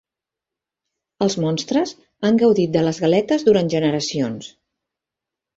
Els monstres han gaudit de les galetes durant generacions.